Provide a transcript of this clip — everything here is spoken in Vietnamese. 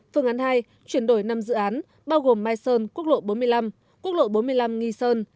phương án hai chuyển đổi năm dự án bao gồm mai sơn quốc lộ bốn mươi năm quốc lộ bốn mươi năm nghi sơn